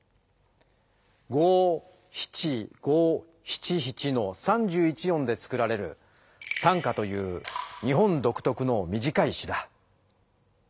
五七五七七の３１音で作られる短歌という日本どくとくの短い詩だ。